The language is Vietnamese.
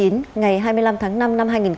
ngày hai mươi năm tháng năm năm hai nghìn hai mươi